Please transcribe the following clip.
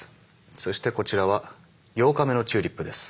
そしてこちらは８日目のチューリップです。